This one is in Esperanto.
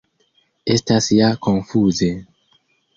Estas ja konfuze.